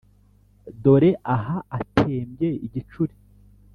Dore aha atembye igicuri!